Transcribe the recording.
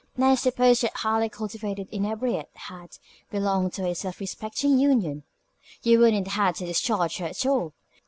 Now suppose that highly cultivated inebriate had belonged to a self respecting union? You wouldn't have had to discharge her at all.